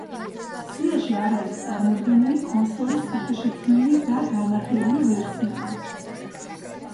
სიაში არ არის წარმოდგენილი კონსოლის სახეშეცვლილი და განახლებული ვერსიები.